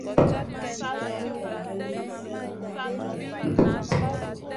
Kay va ma li slèhna ma ŋahna.